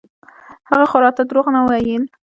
هغه خو راته دروغ نه ويل.